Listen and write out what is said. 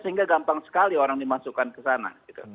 sehingga gampang sekali orang dimasukkan ke sana